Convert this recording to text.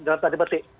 dalam tanda batik